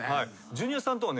ジュニアさんとは。